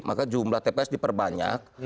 maka jumlah tps diperbanyak